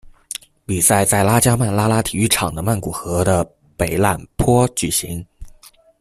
比赛在拉加曼拉拉体育场的曼谷和的北榄坡举行。